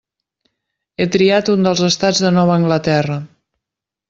He triat un dels estats de Nova Anglaterra.